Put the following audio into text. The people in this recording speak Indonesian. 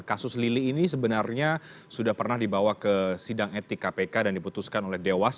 kasus lili ini sebenarnya sudah pernah dibawa ke sidang etik kpk dan diputuskan oleh dewas